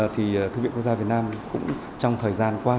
thư viện quốc gia việt nam trong thời gian qua